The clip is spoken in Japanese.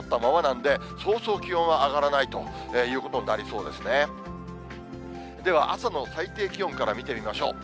では朝の最低気温から見てみましょう。